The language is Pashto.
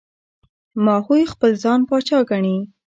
ماهوی خپل ځان پاچا ګڼي.